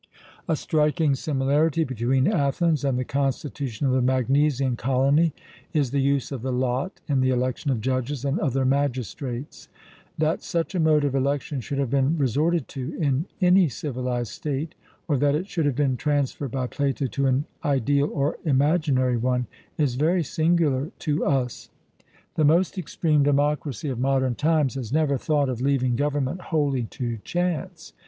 A striking similarity between Athens and the constitution of the Magnesian colony is the use of the lot in the election of judges and other magistrates. That such a mode of election should have been resorted to in any civilized state, or that it should have been transferred by Plato to an ideal or imaginary one, is very singular to us. The most extreme democracy of modern times has never thought of leaving government wholly to chance.